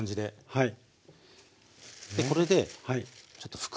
はい。